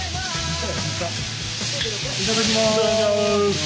いただきます。